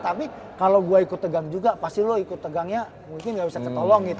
tapi kalau gue ikut tegang juga pasti lo ikut tegangnya mungkin gak bisa ketolong gitu